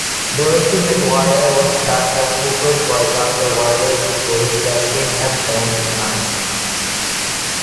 Dorothy McGuire was cast as Cooper's wife after Wyler's choice, Katharine Hepburn, declined.